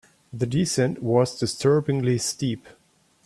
The descent was disturbingly steep.